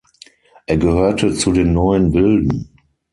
Er gehörte zu den Neuen Wilden.